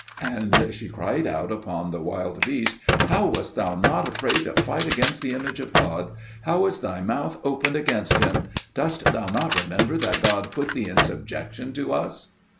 '" And she cried out upon the wild beast, "How wast thou not afraid to fight against the image of God? How is thy mouth opened against Him? Dost thou not remember that God put thee in subjection to us?"